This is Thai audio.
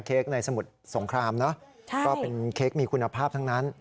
เค้กในสมุทรสงครามเนอะก็เป็นเค้กมีคุณภาพทั้งนั้น